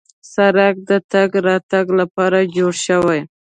سړک د تګ راتګ لپاره جوړ شوی.